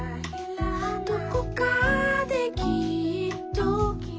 「どこかできっと」